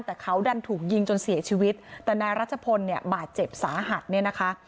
แต่เขาดันถูกยิงจนเสียชีวิตแต่นายรัชพลเนี่ยบาดเจ็บสาหัสเนี่ยนะคะ